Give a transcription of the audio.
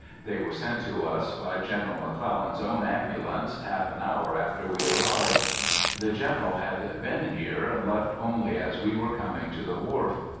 They were sent to us by General McClellan's own ambulance, half an hour after we arrived. The General had been here, and left only as we were coming to the wharf.